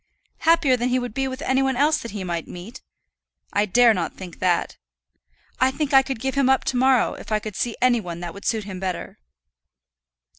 "Happier than he would be with any one else that he might meet? I dare not think that. I think I could give him up to morrow, if I could see any one that would suit him better."